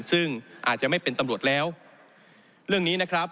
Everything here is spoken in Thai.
ซึ่งอาจจะไม่เป็นตำรวจแล้วเรื่องนี้นะครับ